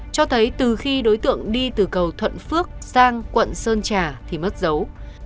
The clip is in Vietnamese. cho thấy từ khi đối tượng đi từ cầu thuận phước sang quận sơn trà thì mất dấu